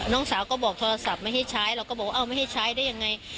น้องสาวก็บอกโทรศัพท์ไม่ให้ใช้เราก็บอกว่าเอาไม่ให้ใช้ได้ยังไง